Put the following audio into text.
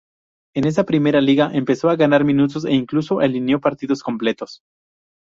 En esa primera liga empezó a ganar minutos e incluso alineó partidos completos.